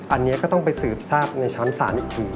อันนี้ก็ต้องไปสืบทราบในชั้นศาลอีกที